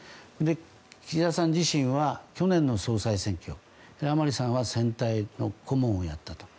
岸田さん自身は去年の総裁選挙甘利さんは選対の顧問をやったと。